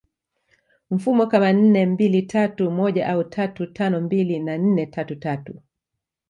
mfumo kama nne mbili tatu moja au tatu tano mbili na nne tatu tatu